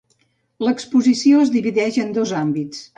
L'exposició es divideix en dos àmbits.